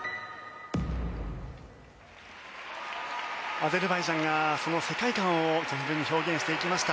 アゼルバイジャンがその世界観を存分に表現していきました。